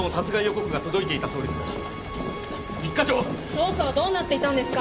捜査はどうなっていたんですか？